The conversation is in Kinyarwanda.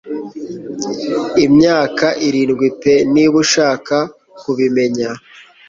Imyaka irindwi pe niba ushaka kubimenya.